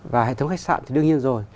và hệ thống khách sạn thì đương nhiên rồi